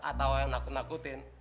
atau yang nakut nakutin